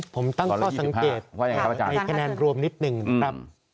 ผมตั้งข้อสังเกตว่ามีคะแนนรวมนิดนึงครับ